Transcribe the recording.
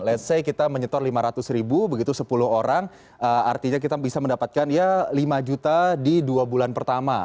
⁇ lets ⁇ say kita menyetor lima ratus ribu begitu sepuluh orang artinya kita bisa mendapatkan ya lima juta di dua bulan pertama